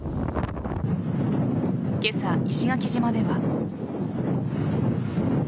今朝、石垣島では。